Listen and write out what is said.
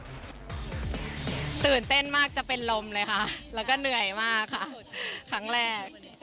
ตื่นเต้นมากจะเป็นลมเลยค่ะแล้วก็เหนื่อยมากค่ะครั้งแรก